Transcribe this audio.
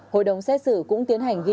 hội đồng xét xử cũng tiến hành ghi